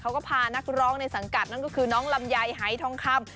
เขาก็พานักร้องในสังกัดนั่นก็คือน้องลำไยหายทองคำ